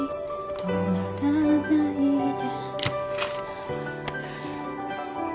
「止まらないで」